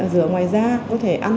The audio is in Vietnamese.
rửa ngoài da có thể ăn